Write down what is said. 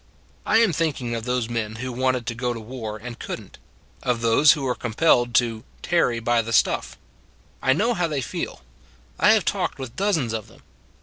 I am thinking of those men who wanted to go to war and couldn t; of those who were compelled to " tarry by the stuff." I know how they feel : I have talked with dozens of them.